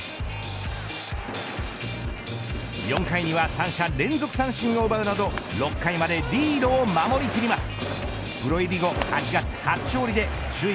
４回には３者連続三振を奪うなど６回までリードを守り切ります。